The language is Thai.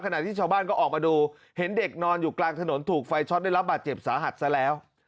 ขณะที่ชาวบ้านก็ออกมาดูเห็นเด็กนอนอยู่กลางถนนถูกไฟช็อตได้รับบาดเจ็บสาหัสซะแล้ว